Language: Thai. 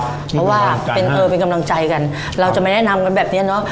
เพราะว่าเป็นกำลังใจกันเราจะมาแนะนำกันแบบนี้เนอะ